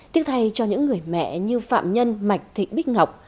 tiếc thay cho những người mẹ như phạm nhân mạch thị bích ngọc